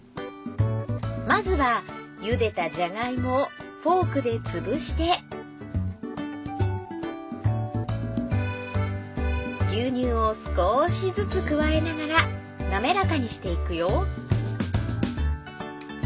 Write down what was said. まずはゆでたじゃがいもをフォークでつぶして牛乳を少しずつ加えながらなめらかにしていくよ